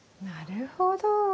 なるほど。